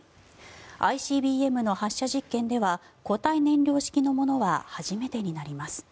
ＩＣＢＭの発射実験では固体燃料式のものは初めてになります。